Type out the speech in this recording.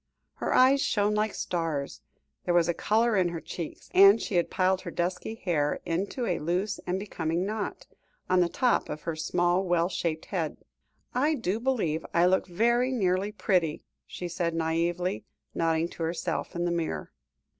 Her eyes shone like stars, there was a colour in her cheeks, and she had piled her dusky hair into a loose and becoming knot, on the top of her small, well shaped head. "I do really believe I look very nearly pretty," she said naïvely, nodding to herself in the mirror.